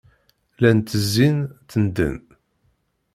Llan ttezzin, ttennḍen.